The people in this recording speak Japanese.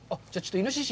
イノシシ？